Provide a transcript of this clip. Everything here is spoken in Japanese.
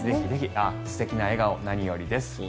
素敵な笑顔、何よりです。